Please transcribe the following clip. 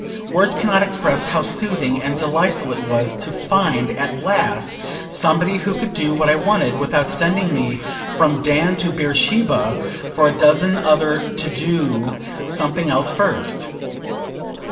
Words cannot express how soothing and delightful it was to find, at last, somebody who could do what I wanted, without sending me from Dan to Beersheba, for a dozen other bodies to do something else first.